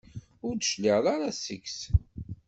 Ur d-tecliɛeḍ ara seg-s.